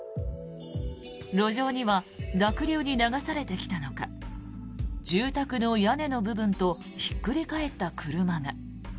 路上には濁流に流されてきたのか住宅の屋根の部分とひっくり返った車が。